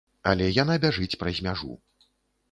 Але яна бяжыць праз мяжу.